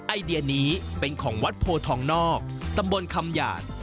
ไอเดียนี้เป็นของวัดโพทองนอกตำบลคำหยาด